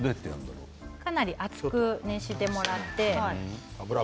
かなり熱く熱してもらって。